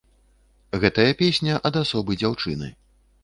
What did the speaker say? Гэтая песня ад асобы дзяўчыны.